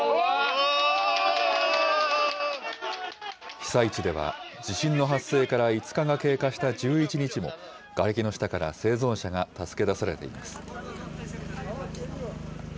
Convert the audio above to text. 被災地では、地震の発生から５日が経過した１１日も、がれきの下から生存者が助け出されています。